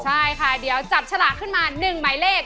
ใช่ค่ะเดี๋ยวจับฉลากขึ้นมา๑หมายเลข